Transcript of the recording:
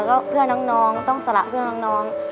แล้วก็เพื่อนน้องต้องสละเพื่อนน้อง